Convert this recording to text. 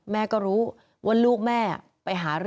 พุ่งเข้ามาแล้วกับแม่แค่สองคน